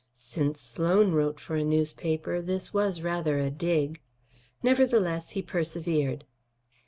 Since Sloan wrote for a newspaper, this was rather a dig. Nevertheless, he persevered.